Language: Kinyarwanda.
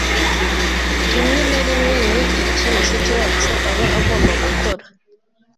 Rimwe na rimwe ni iki mushiki wacu aba agomba gukora